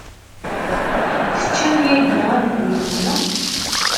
Tecciḍ yagi angul-nni.